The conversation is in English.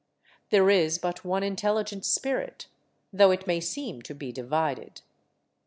There is but one intelligent spirit, though it may seem to be divided.